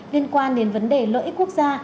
liên quan đến vấn đề lợi ích quốc gia